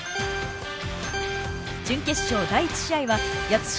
準決勝第１試合は八代